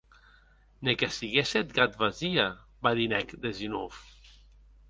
Ne que siguessa eth gat Vasia!, badinèc Denisov.